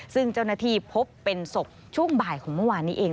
ซึ่งเจ้าหน้าที่พบเป็นศพช่วงบ่ายของเมื่อวานนี้เอง